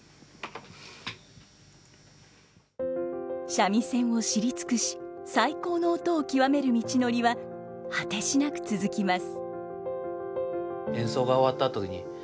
三味線を知り尽くし最高の音を極める道のりは果てしなく続きます。